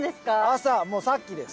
朝もうさっきです。